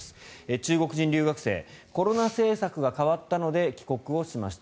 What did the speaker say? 中国人留学生コロナ政策が変わったので帰国をしました